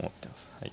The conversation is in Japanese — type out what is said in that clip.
はい。